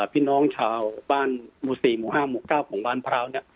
พี่น้องชาวบ้านหมู่๔หมู่๕หมู่๙ของบ้านพร้าวเนี่ย